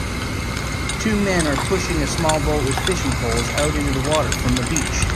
Two men are pushing a small boat with fishing poles out into the water from the beach.